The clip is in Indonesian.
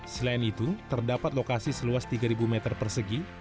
selain itu terdapat lokasi seluas tiga meter persegi